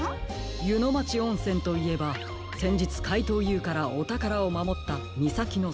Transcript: ゆのまちおんせんといえばせんじつかいとうＵからおたからをまもったみさきのそばですね。